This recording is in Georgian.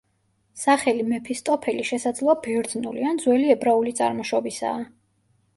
სახელი მეფისტოფელი შესაძლოა ბერძნული, ან ძველი ებრაული წარმოშობისაა.